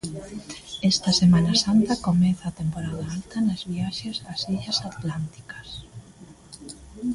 Esta Semana Santa comeza a temporada alta nas viaxes ás illas atlánticas.